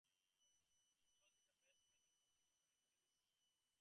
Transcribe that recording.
Choosing the best methods for surveillance in this case can be vexing.